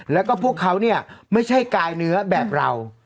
แล้วก็พวกเขาเนี่ยไม่ใช่กายเนื้อแบบเรา